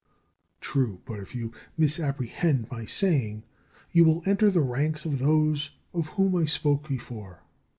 True, but if you misapprehend my saying, you will enter the ranks of those of whom I spoke before.